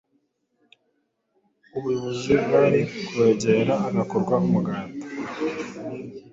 ubuyobozi bwari kubegera hagakorwa umuganda